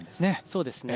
そうですね。